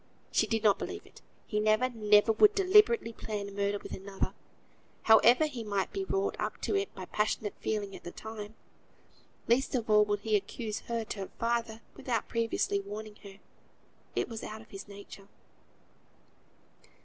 she did not believe it; he never, never would deliberately plan a murder with another, however he might be wrought up to it by passionate feeling at the time. Least of all would he accuse her to her father, without previously warning her; it was out of his nature).